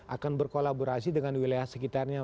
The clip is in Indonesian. akan berkolaborasi dengan wilayah sekitarnya